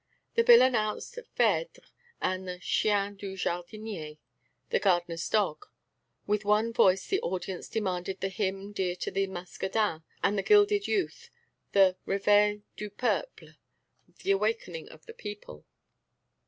The bill announced Phèdre and the Chien du Jardinier, The Gardener's Dog. With one voice the audience demanded the hymn dear to the muscadins and the gilded youth, the Réveil du peuple, The Awakening of the People.